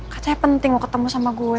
katanya penting mau ketemu sama gue